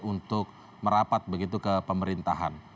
untuk merapat begitu ke pemerintahan